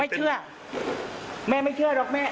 เชื่อแม่ไม่เชื่อหรอกแม่